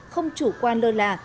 không chủ quan lơ là